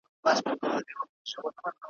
اشرف المخلوقات ,